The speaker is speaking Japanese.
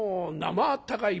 まあったかい